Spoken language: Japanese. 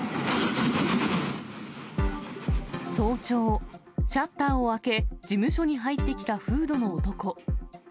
早朝、シャッターを開け、事務所に入ってきたフードの男。